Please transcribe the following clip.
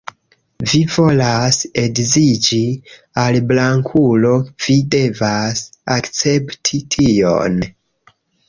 Vi volas edziĝi al blankulo, vi devas akcepti tion.